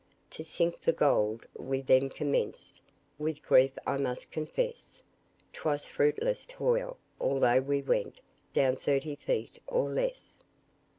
To sink for gold we then commenced, With grief I must confess, 'Twas fruitless toil, although we went Down thirty feet or less.